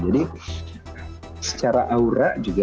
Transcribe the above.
jadi secara aura juga